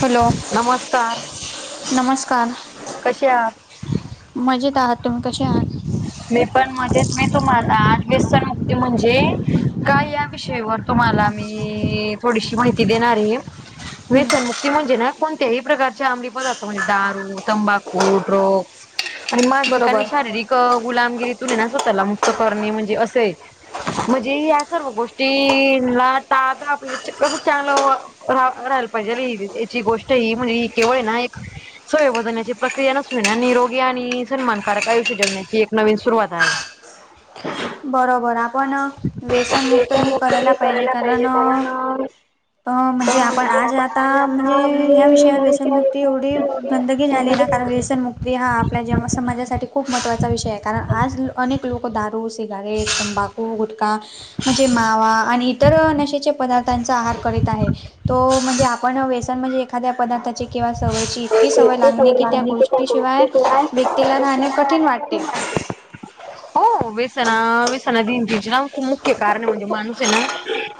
Hello! नमस्कार नमस्कार कसे आहात? मजेत आहात, तुम्ही कसे आहात? मी पण मजेत, मी तुम्हाला आज व्यसन मुक्ती म्हणजे काय या विषयावर तुम्हाला मी.. थोडीशी माहिती देणार आहे. हं, व्यसनमुक्ती म्हणजे ना कोणत्याही प्रकारचे आम्ली पदार्थ म्हणजे दारू, तंबाखू, ड्रग आणि मानसिक आणि बरोबर शारीरिक क.. गुलामगिरी तुन स्वतःला मुक्त करणे म्हणजे असंय. म्हणजे या सर्व गोष्टीला ता.. ता.. आपलं कस चांरलंव रा.. राहायला पाहिजे याची गोष्ट ही म्हणजे केवळ आहे ना एक सोयबधण्याची प्रक्रिया नसून आणि निरोगी आणि सन्मानकारक आयुष्य जगण्याची एक नवीन सुरुवात आहे. बरोबर आपण.. व्यसनमुक्त हे करायला पाहिजे कार.. ण अ.. म्हणजे आपण आज आता म्हणजे.. ह्या विषयावर व्यसनमुक्ती एवढी गंदगी झाले ना कारण व्यसन मुक्ती ती हा आपल्या जन समाजासाठी खूप महत्त्वाचा विषय आहे कारण आज अनेक लोक दारू सिगारेट, तंबाकू, गुटका म्हणजे मावा आणि इतर नशेचे पदार्थांचा आहार करीत आहे. तो.. म्हणजे आपण व्यसन म्हणजे एखाद्या पदार्थाचे किंवा सवयची इतकी सवय लागणे कि त्या गोष्टी शिवाय व्यक्तीला राहणे कठीण वाटते टे हो, वेसना वेसना भीतीचे ना खूप मुख्य कारण आहे म्हणजे माणूस आहे ना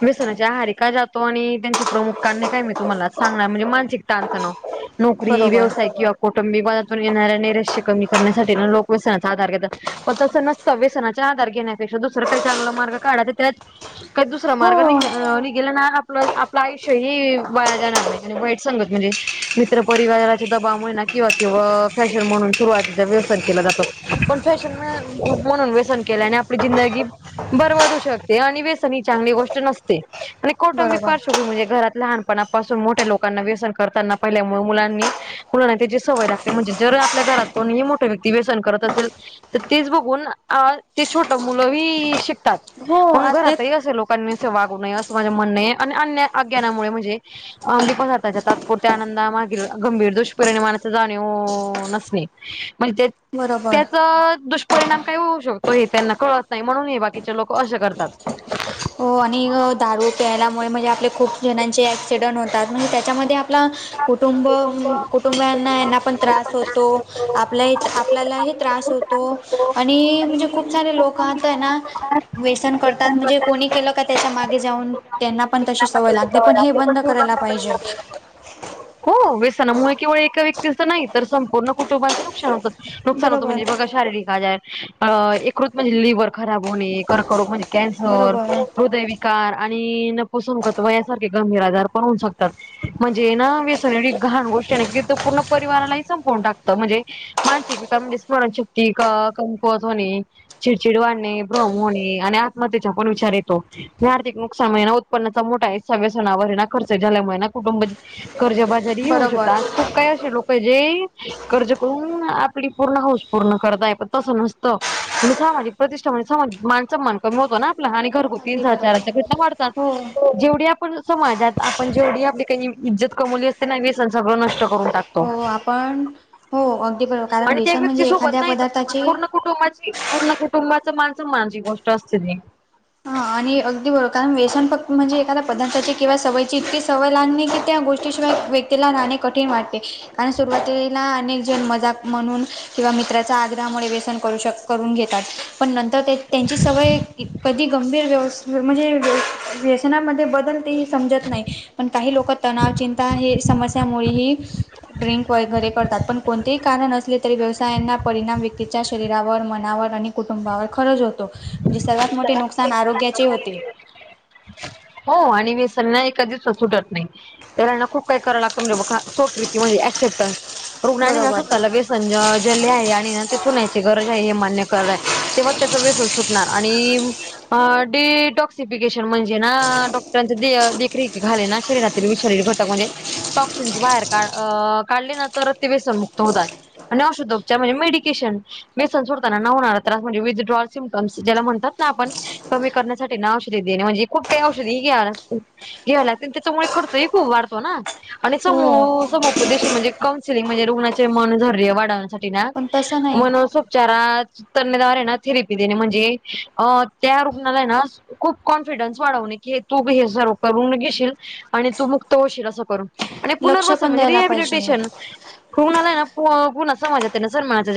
व्यसनाच्या आहारी का जातो आणि त्यांची प्रमुख कारणे काय मी तुम्हाला आज सांगणार म्हणजे मानसिक ताण तणाव नोकरी बरोबर व्यवसाय किंवा कौटुंबिक वादातून येणाऱ्या नैरश्य कमी करण्यासाठी लोक व्यसनाचा आधार घेतात. पण तसं नसतं व्यसनाच्या आधार घेण्यापेक्षा दुसरं काही चांगला मार्ग काढायचा त्यात काही दुसरा मार्ग नि हो निघेलं ना आपलं.. आपलं आयुष्य ही वाया जाणार नाही आणि वाईट संगत म्हणजे मित्र परिवाराच्या दबामुळे ना किंवा.. किंवा अ.. फॅशन म्हणून सुरुवातीचा व्यसन केला जातो. पण फॅशन म.. म्हणून व्यसन केल्याने आपली जिंदगी बरवादू शकते आणि व्यसन ही चांगली गोष्ट नसते. कौटुंबिक बरोबर पार्श्वभूमी म्हणजे घरात लहानपणापासून मोठ्या लोकांना व्यसन करताना पहिल्यामुळ मुलांनी मुलांना त्याची सवय लागते म्हणजे जर आपल्या घरात कोणीही मोठ व्यक्ती व्यसन करत असेल तर तेच बघून अ.. ते छोट मुलं वी.. शिकतात हो म्हणून आता घरातही असे लोक असं वागू नये असं माझे म्हन अ.. आणि अन्य अज्ञनामुळे म्हणजे अंमली पदार्थाचा तात्पुर त्या नंदा मागील गंभीर दुष्परिणामाचे जानी.. व नसणे. म्हणजे.. त्या.. बरोबर च दुश परिणाम काही होऊ शकतो हे त्यांना कळत नाही हे बाकीचे लोक असे करतात. हो आणि दारू प्यायल्यामुळे म्हणजे आपले खूप जणांचे ॲक्सिडंट होतात म्हणजे त्याच्या मधे ते आपल कुटुंब.. कुटुंब यांना यांना पण त्रास होतो. आपल्या ही आपल्यालाही त्रास होतो. आणि.. म्हणजे खूप सारे लोक आता हे ना व्यसन करतात म्हणजे कोणी केलं का त्याच्या मागे जाऊन.. त्यांना पण तशी सवय लागते पण हे बंद करायला पाहिजे. हो... वेसनामुळे केवळ एका व्यक्तीचं नाही तर संपुर्ण कुटुंबाचं नुकसान होतं नुकसान बरोबर म्हणजे बघा. शारीरिक आजार अ... एकृत म्हणजे लिव्हर खराब होणे कर्करोग म्हणजे कॅनसर, बरोबर हृदय विकार कार आ... णि नपुसंकत्व यासारखे गंभीर आजार पण होऊन शकतात. म्हणजे ना व्यसन ही घाण गोष्ट आहे ना की पूर्ण परिवारालाही संपवून टाकतं म्हणजे मानसिकता म्हणजे स्मरणशक्ती का.. कमकुवत होणे. चिडचिड वाढणे भ्रम होणे आणि आत्महत्येचा पण विचार येतो. आर्थिक नुकसान आहेना उत्पन्नाचा मोठा हिसा व्यसनावरना खर्च झाल्यामुळे ना कुटुंब कर्जबाजारीही होऊ शकतता, बरोबर आज कोण काही असे लोक आहे जे.. कर्ज करून, आपली पूर्ण हौस पूर्ण करतय पण तसं नसतं. सामाजिक प्रतिष्ठा म्हणे समाजात मानस.. मासन मोजाना ना आपलं हानी घरगुती अगदी बरोबर हिंसाचाराच्या घटना वाढतात, हो जेवढी आपण समाजात आपण जेवढी आपली काही हिन इज्जत कमवलेली असते ना व्यसन सगळं नष्ट करून टाकत. तो.. हो आपण हो अगदी बरोबर कारण आणि त्या व्यसन व्यक्ती म्हणजे सोबत एखाद्या नाही पदार्थाची पूर्ण कुटुंबाची पूर्ण कुटुंबाच मान -सन्मानाची गोष्ट असते ती. ह आणि अगदी बरोबर कारण व्यसन फ... म्हणजे एखाद पदार्थाची किंवा सवयची इतकी सवय लागणे की त्या गोष्टी शिवाय व्यक्तीला राहणे कठीण वाटते. आणि सुरुवातीला अनेक जण मजाक म्हणून किंवा मित्राच्या आग्रहामुळे व्यसन करू शक करून घेतात नंतर ते.. त्यांची सवय कधी गंभीर व्यस... म्हणजे व्यस.. व्यस.. व्यसना बदल ते ही समजत नाही पण काही लोक तणाव चिंता हे समस्यामुळे ही ड्रिंक वगैरे करतात पण कोणत्याही कारण असले तरी व्यवसायांना परिणाम व्यक्तीच्या शरीरावर मनावर आणि कुटुंबावर खरच होतो, नी सर्वात मोठे नुकसान आरोग्याचे होते. हो आणि व्यसन एका दिवसात सुटत नाही. तरना खूप काही कराव लागतं म्हणे बघा स्वकृती म्हणजे एक्सेप्टन्स रुग्णांनी बरोबर स्वतःला व्यसन जले आहे आणि येथून याची गरज आहे हे मान्य [unintelligible] तेव्हाच त्याचं व्यसन सुटत. नार आणि अ... डे.. डिटॉक्सिफिकेशन म्हणजे ना डॉक्टरांचे दे.. देखरेखी खाली ना शरीरातील विषारी घटक म्हणजे टॉक्सिन बाहेर का.. अ.. काढले ना तर ते वेसनमुक्त होतात. आणि औषधोपचार म्हणजे मेडिकेशन, वेसन सोडताना होणार त्रास म्हणजे विथड्रॉल. ज्याला म्हणतात ना आपण.. कमी करण्यासाठी ना औषधी देणे म्हणजे खूप काही औषधी घ्यावे लागतील. घ्यावे लागतील त्याच्यामुळे तुमचा खर्च वाढतो ना आणि सम... हो समुपदेश म्हणजे काउनसिलिंग म्हणजे रुग्णाचे मन धैर्य वाढवण्यासाठी [unintelligible] व्यक्तींना पण तसं नाही मनोउपचारात तज्ञधार हे ना फि देणे म्हणजे अ.. त्या रुग्णालय ना खूप कॉन्फिडन्स वाढवणे की तू हे सर्व करून घेशील आणि मुक्त होशील असं करून. आणि लक्ष पुनर्वसन पण म्हणजे द्यायला पाहिजे रिहॅबिलिटेशन रुग्णाला हाय ना पु.. पु.. पुन्हा त्यांना समाजात सन्मानाचा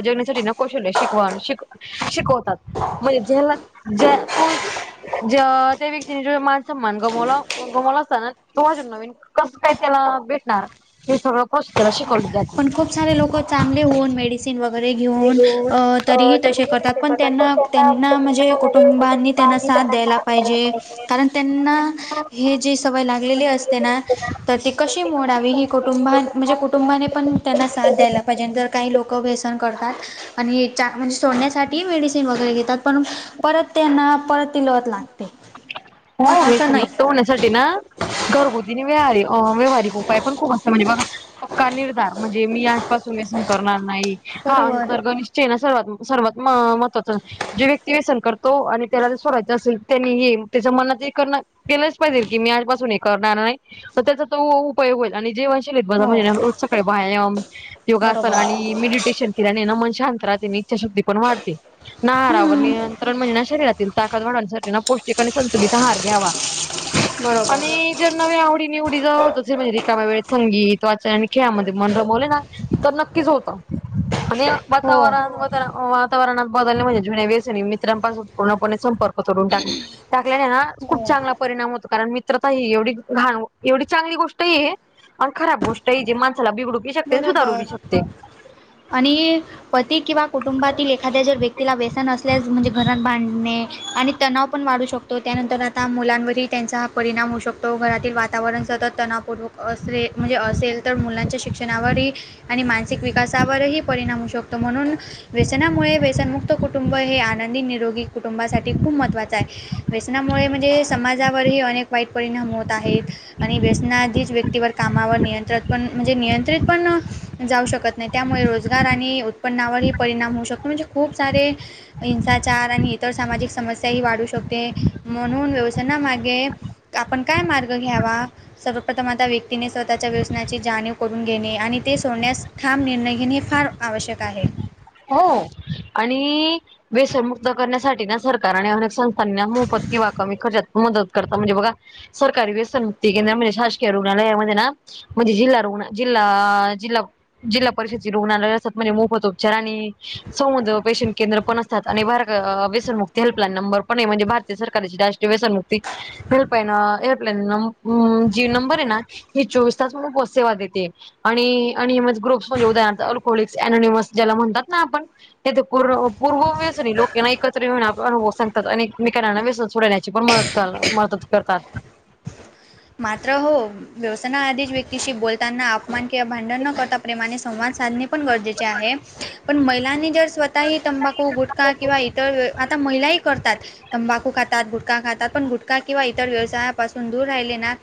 [inaudible] जगण्यासाठी कौशल्य शिकवावेत शिक शिकवतात, म्हणे ज्याला ज्या.. तो ज.. त्या व्यक्तीने जो मान सम्मान गमवला.. गमवला असताना तो अजून नवीन कसं काय त्याला भेटणार, हे सगळं फर्स्ट त्याला शिकवले जातील. पण खूप सारे लोक चांगले होऊन मडीत सीन वगैरे घेऊन.. अ.. तरीही तसे करतात पण त्यांना... त्यांना म्हणजे कुटुंबांनीच त्यांना साथ द्यायला पाहिजे कारण त्यांना हे जे सवय लागलेली असते ना तर ती कशी मोडावी ही कुटुं म्हणजे कुटुंबाने पण त्यांना साथ द्यायला पाहिजे आणि जर काही वेसन करतात आणि च्या म्हणजे सोन्यासाठी तेनी मेडिसीन वगैरे घेतात पण परत त्यांना [unintelligible] [unintelligible] पण असं नाही सोडवण्यासाठी ना घरगुती व्याह व्यावहारिक उपाय पण खूप असत बघा [unintelligible] पक्का निर्धार म्हणजे मी आजपासून व्यसन करणार नाही हा बरोबर अंतर्गन चे ना सर्वात सर्वात महत्वाचं जे व्यक्ती व्यसन करतो आणि त्याला ज सोडायचं असेल त्यानी हे त्याचं म्हणण ते करणं केलंच पाहिजे की मी आजपासून हे करणार नाही तर त्याचा तो उपयोग होईल आणि जे हो रोज सकाळी व्यायाम योगासन बरोबर आणि मेडिटेशन केल्याने नं मन शांत राहते इच्छाशक्ती पण वाढते ना आरावर नि हम्म [unintelligible] ण म्हणजे शरीरातील ताकद वाढवण्यासाठी पौष्टिक आणि संतुलित आहार घ्यावा बरोबर आणि नव आवडी निवडी जव्हा म्हणजे एका [unintelligible] वेळ संगीत वाचन आणि खेळामध्ये मन रमवले ना तर नक्कीच होतं. आणि हो वातावरणात वातावरणात बदल म्हणजे जुन्या वेसणी मित्रांपासून पूर्णपणे संपर्क तोडून टाकल. टाकल्याना खूप हो चांगला परिणाम होतो कारण मित्रता एवढी घाण एवढी चांगली गोष्ट ई हे आण खराब गोष्ट ही जे माणसाला बिघडू शकते आणि सुधारू बरोबर बी शकते. आणि पती किंवा कुटुंबातील एखाद्या जर व्यक्तीला व्यसन असल्यास म्हणजे घरात बांडणे आणि तणाव पण वाढू शकत तो त्यानंतर आता मुलांवरही त्यांचा परिणाम होऊ शकतो घरातील वातावरण सतत तणावपूर्वक असरे म्हणजे असेल तर मुलांच्या शिक्षणावरही आणि मानसिक विकासावरही परिणाम होऊ शक शकतो म्हणून व्यसनामुळे व्यसनमुक्त कुटुंब हे आनंदी निरोगी कुटुंबासाठी खूप महत्त्वाचं आहे. व्यसनामुळे म्हणजे समाजावरही अनेक वाईट परिणाम होत आहेत. आणि व्यसनाधीच व्यक्तीवर कामावर नियंत्रण पण म्हणजे नियंत्रित पण जाऊ शकत नाही त्यामुळे रोजगार आणि उत्पन्नावरही परिणाम होऊ शकतो म्हणजे खूप सारे हिंसाचार आणि इतर सामाजिक समस्याही वाढू शकते म्हणून व्यवसायनामागे आपण काय मार्ग घ्यावा सर्वप्रथम आता व्यक्तीने स्वतःच्या व्यवसनाची जाणीव ऊन घेणे आणि ते सोडण्यास ठाम निर्णय घेणे हे फार आवश्यक आहे. हो आणि व्यसनमुक्त करण्यासाठी ना सरकारने अनेक संस् त्यांना मोफत किवा कमी खर्च्यात मदत करत म्हणजे बघा सरकारी व्यसन मुक्ती केंद्र म्हणे शासकीय रुग्णालयामध्ये ना म्हणजे जिल्हा रुग्ना जिल्हा जिल्हा जिल्हा परिषदेची रुग्णालय असतात म्हणजे मोफत होत चराणी समुद पेशन केंद्र पण असतात भारग आणि व्यसनमुक्ती हेल्पलाईन नंबर पण हे म्हणजे भ सरकारची जा [unintelligible] व्यसन होती हेल्पलाईन हेल्पलाईन म नंबर हे ना हे चोवीस तास म सेवा देते आणि ग्रुप्स म्हणेदाहरणार्थ अल्कोहोललिकस अनोनिमस [unintelligible] ज्याला म्हणतात ना आपण. तिथे पूर् पूर्व व्यसनी लोक हाय ना एकत्र येऊन आपला अनुभव सांगतात आणी एकमेकांना व्यसन सोडण्याची पण मदत चाल मदत करणार. मात्र हो व्यवसाना आधीच व्यक्तीशी बोलताना मान किंवा भांडण न करता प्रेमाने संवाद साधणे पण गरजेचे आहे पण महिलांनी जर स्वः आताही तंबाखू गुटखा किंवा इतर आता महिलाही करतात. तंबाखू खातात गुटखा खातात पण गुटखा किंवा इतर व्यवसायापासून दूर राहिले ना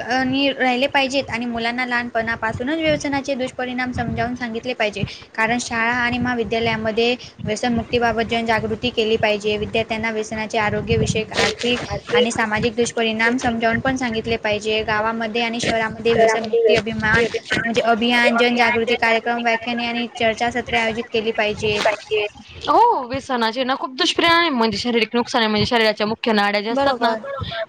अ नि राहिले पाहिजेत आणि मुलांना लहानपणापासूनच व्यवसनाचे दुष्परिणाम समजावून सांगितले पाहिजे. कारण शाळा आणि माविद्यालयामध्ये व्यसनमुक्तीबाबत जनजागृती केली पाहिजे, विद्यार्थ्यांना व्यसनाचे आरोग्य विषयक आर्थिक आणि सामाजिक दुष्परिणाम समजावून पण सांगितले ले पाहिजे गावामध्ये आणि शहरामध्ये व्यसनमुक्ती अभिमान म्हणजे अभियान जनजागृती कार्य क्रम व्याख्याने आणि चर्चासत्रे आयोजित केली पाहिजेत. हो व्यसनाचे ना खूप दुष्यपरिणाम आहे, म्हजे शारीरिक नुकसान आहे म्हणजे शरीराच्या ख्य नाड्या ज्या असतात ना. बरोबर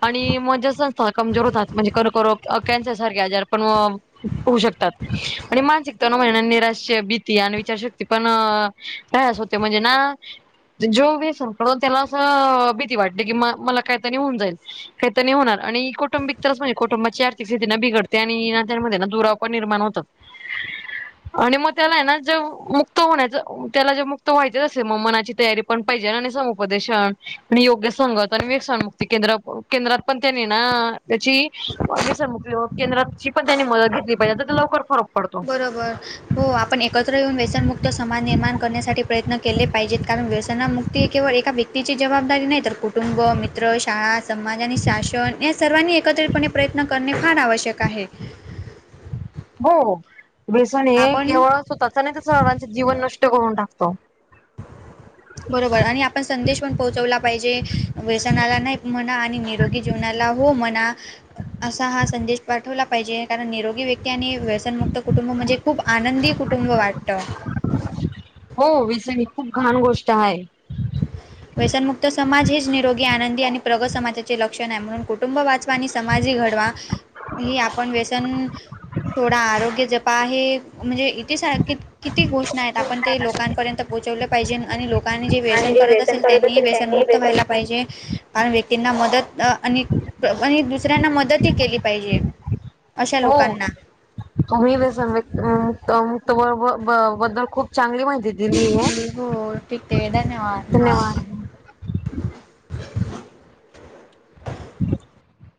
आणि मज्यासंत कमजोर होतात, म्हणजे कर्करोग कॅन्सर सारखे आजार पण मग होऊ शकतात आणि मानसिक तर मन निराश भीती आणि विचारशक्ती पण तयास होते म्हणजे ना, जो [unintelligible] त्याला असं भीती वाटली की म मला कायतरी होऊन जाईल. ते नी होणार आणि कौटुंबिक त्रास म्हणजे कुटुंबाची आर्थिक स्थिती न बिघडते आणि नात्यांमध्ये ना दुराव पण निर्माण होतो. हहं [unintelligible] आणि मग त्याला आहे ना जे मुक्त होण्याचं त्याला जे मुक्त व्हायचं असेल मग मनाची तयारी, पण पाहिजे आणि ना समुपदेशन आणि संगत आणि व्यसाणमुक्ती केंद्र, केंद्रात पण त्यानी ना त्याची व्यसनमुक्ती केंद्रात पण त्यांनि मदत घेतली पाहिजे, आता तर ते लवकर फर बरोबर हो आपण एकत्र येऊन व्यसनमुक्त समाज निर्माण करण्यासाठी, प्रयत्न केले पाहिजेत. कारण व्यवसनामुक्ती केवळ एका व्यक्तीची जबाबदारी नाही तर कुटुंब, मित्र, मित्र, शाळा, समाज आणि शासन या सर्वांनी एकत्रितपणे प्रयत्न करणे फार आवश्यक आहे. हो व्यसन हे आपण केवळ स्वतःच नाही तर सर्वांचे जीवन नष्ट करून टाकतो. बरोबर आणि आपण संदेश पण पोहोचवला पाहिजे. व्यसनाला नाही म्हणा आणि निरोगी जीवनाला हो म्हणा. असा हा संदेश पाठवला पाहिजे, कारण निरोगी व्यक्ती आणि व्यसनमुक्त कुटुंब म्हणजे, खुप आनंदी कुटुंब वाटत. हो व्यसन ही खूप घान गोष्ट आहे. हं व्यसनमुक्त समाज हेच निरोगी आनंदी आणि प्रगत समाजाचे लक्षण आहे म्हणून कुटुंब वाच आणि समाज ही घडवा. ही आपण व्यसन सोडा आरोग्य जपा हे म्हणजे इथे सारखी- किती घोषणा आहेत आपण ते लोकांपर्यंत पोहोचवल पाहिजे आणि लोकांनि जे व्यस व्यसन करत असेल त्यांनी ही व्यसनमुक्त व्हायला पाहिजे, कारण व्यक्तींना मदत आणि आणि दुसऱ्यांना मदतही केली पाहिजे, अशा हो लोकांना. तुम्ही व्यसन व मुक्त व व बद्दल खूप, चांगली माहिती दिली आहे. हो ठीक आहे धन्यवाद धन्यवाद हं [unintelligible]